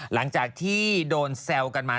หลังจากที่โดนแซวกันมา